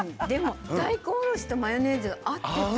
大根おろしとマヨネーズ合ってた。